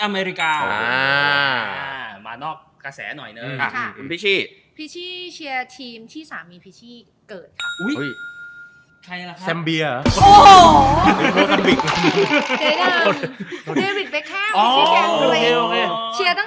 เค้าคัมมิ่งมาแล้วไงแต่เป็นฟุตบอลยูโรผู้หญิง